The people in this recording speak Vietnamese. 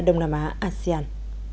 đông nam á asean